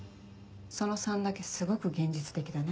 その３だけすごく現実的だね。